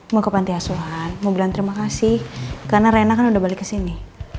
mau ke pantai asuhan mau bilang terima kasih karena rena kan udah balik kesini